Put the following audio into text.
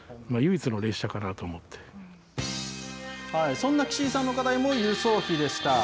そんな岸井さんの課題も、輸送費でした。